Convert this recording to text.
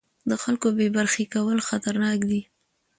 د خلکو بې برخې کول خطرناک دي